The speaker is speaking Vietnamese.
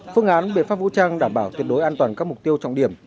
phương án biện pháp vũ trang đảm bảo tuyệt đối an toàn các mục tiêu trọng điểm